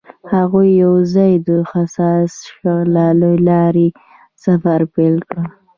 هغوی یوځای د حساس شعله له لارې سفر پیل کړ.